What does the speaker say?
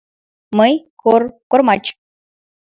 — Мый — кор... кормач!